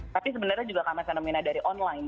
tapi sebenarnya juga karena fenomena dari online